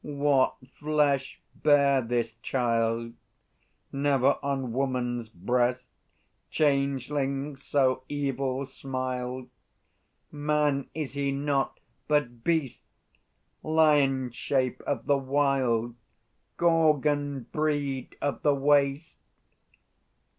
What flesh bare this child? Never on woman's breast Changeling so evil smiled; Man is he not, but Beast! Lion shape of the wild, Gorgon breed of the waste!"